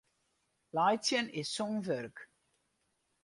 Laitsjen is sûn wurk.